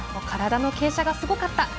体の傾斜がすごかった。